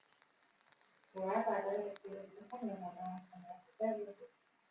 ואולי הוועדה לתקציב הביטחון היא הוועדה הנכונה לטפל בזה